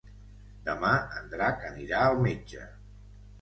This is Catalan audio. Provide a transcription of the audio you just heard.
Demà en Drac anirà al metge.